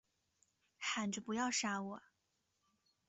喊着不要杀我